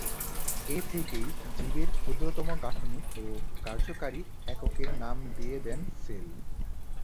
এ থেকেই জীবের ক্ষুদ্রতম গাঠনিক ও কার্যকরী এককের নাম দিয়ে দেন সেল।